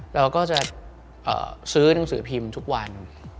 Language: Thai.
เราก็จะซื้อหนังสือพิมพ์ทุกวัน